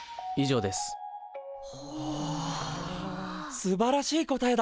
すばらしい答えだ。